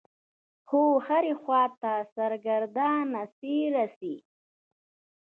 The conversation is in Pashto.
خو هرې خوا ته سرګردانه څي رڅي.